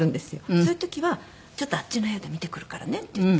そういう時は「ちょっとあっちの部屋で見てくるからね」って言って。